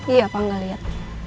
iya pak gak liat